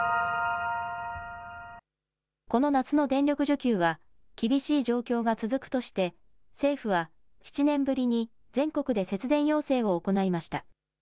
この夏の電力需給は厳しい状況が続くとして政府は７年ぶりに全国で節電要請を行いました。